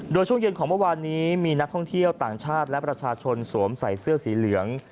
โดยช่วงเย็นของเมื่อวานนี้มีนักท่องเที่ยวต่างชาติและประชาชนสวมใส่เสื้อสีเหลือง